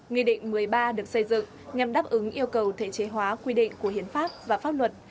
nghị định một mươi ba được xây dựng nhằm đáp ứng yêu cầu thể chế hóa quy định của hiến pháp và pháp luật